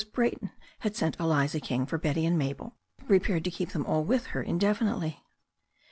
Brayton had sent Eliza King for Betty and Mabel, prepared to keep them all with her indefinitely.